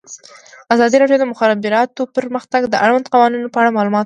ازادي راډیو د د مخابراتو پرمختګ د اړونده قوانینو په اړه معلومات ورکړي.